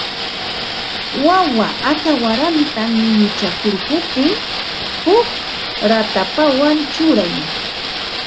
Wawa aka waranta nuyuchakurquptin huk ratapawan churay